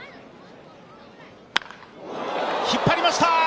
引っ張りました！